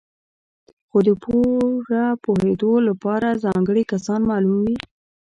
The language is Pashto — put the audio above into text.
خو د پوره پوهېدو لپاره ځانګړي کسان معلوم وي.